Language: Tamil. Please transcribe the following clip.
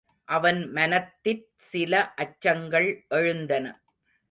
அவன் மனத்திற் சில அச்சங்கள் எழுந்தன.